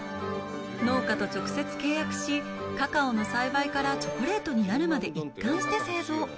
農家と直接契約し、カカオの栽培からチョコレートになるまで一貫して製造。